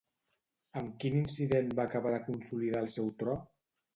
Amb quin incident va acabar de consolidar el seu tro?